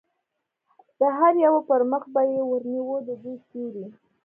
د هر یوه پر مخ به یې ور نیوه، د دوی سیوری.